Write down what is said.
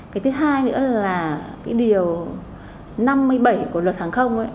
cái thứ hai nữa là cái điều năm mươi bảy của luật hàng không